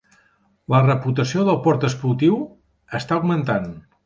La reputació del port esportiu està augmentant.